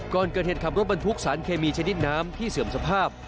ก่อนเกิดเหตุขับรถบรรทุกสารเคมีชนิดน้ำที่เสื่อมสภาพ